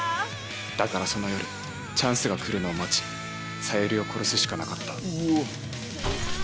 だからその夜チャンスが来るのを待ちさゆりを殺すしかなかった。